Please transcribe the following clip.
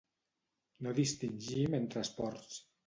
No distingim entre esports.